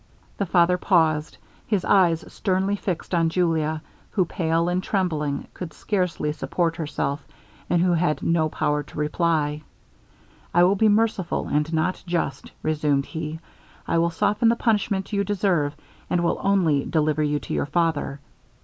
The father paused his eyes sternly fixed on Julia, who, pale and trembling, could scarcely support herself, and who had no power to reply. 'I will be merciful, and not just,' resumed he, 'I will soften the punishment you deserve, and will only deliver you to your father.'